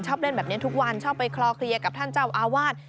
เล่นแบบนี้ทุกวันชอบไปคลอเคลียร์กับท่านเจ้าอาวาส